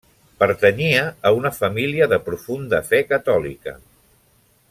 Pertanyia a una família de profunda fe catòlica.